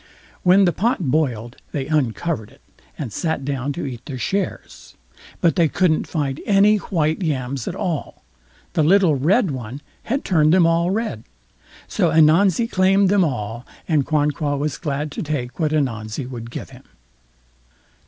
When the pot boiled, they uncovered it, and sat down to eat their shares, but they couldn't find any white yams at all; the little red one had turned them all red. So Ananzi claimed them all, and Quanqua was glad to take what Ananzi would give him.